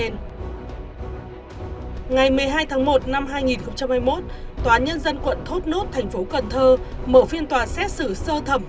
ngày một mươi hai tháng một năm hai nghìn hai mươi một tòa nhân dân quận thốt nốt thành phố cần thơ mở phiên tòa xét xử sơ thẩm